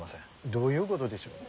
どういうごどでしょう？